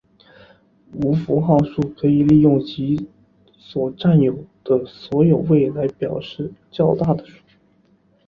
无符号数可以利用其所占有的所有位来表示较大的数。